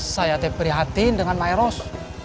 saya teh prihatin dengan mayros